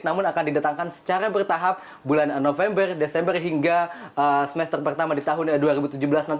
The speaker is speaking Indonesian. namun akan didatangkan secara bertahap bulan november desember hingga semester pertama di tahun dua ribu tujuh belas nanti